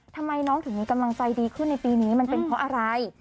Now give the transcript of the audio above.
ทำไมน้องถึงมีกำลังใจดีขึ้นในปีนี้มันเป็นเพราะอะไร